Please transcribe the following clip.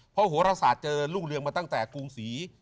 เพราะโหรศาสตร์เจอรุ่งเรืองมาตั้งแต่กรุงศรี